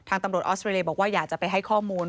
ตำรวจออสเตรเลียบอกว่าอยากจะไปให้ข้อมูล